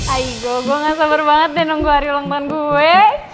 ai gue gue gak sabar banget deh nunggu hari ulang tahun gue